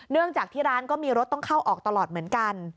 จากที่ร้านก็มีรถต้องเข้าออกตลอดเหมือนกัน